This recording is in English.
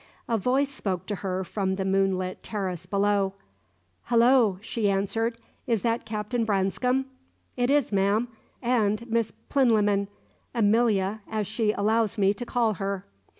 A voice spoke to her from the moonlit terrace below. "Hallo!" she answered. "Is that Captain Branscome?" "It is, ma'am: and Miss Plinlimmon Amelia as she allows me to call her."